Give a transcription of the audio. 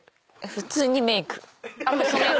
普通にメイク。